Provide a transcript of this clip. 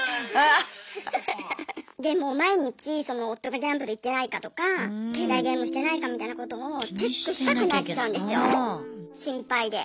でもう毎日夫がギャンブル行ってないかとか携帯ゲームしてないかみたいなことをチェックしたくなっちゃうんですよ心配で。